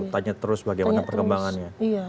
tanya terus bagaimana perkembangannya